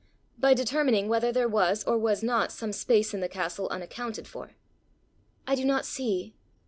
"By determining whether there was or was not some space in the castle unaccounted for." "I do not see."